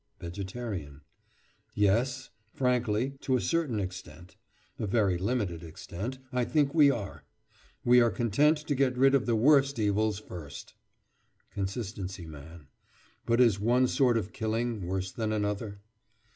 VEGETARIAN: Yes, frankly, to a certain extent (a very limited extent) I think we are. We are content to get rid of the worst evils first. CONSISTENCY MAN: But is one sort of killing worse than another?